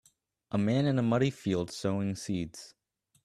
A man in a muddy field sowing seeds